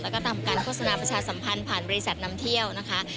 แล้วก็ทำการโฆษณาประชาสัมพันธ์ผ่านบริษัทนำเที่ยวนะคะ